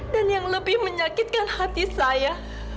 dan yang lebih menyakitkan hati saya